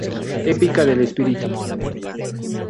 Épica del espíritu.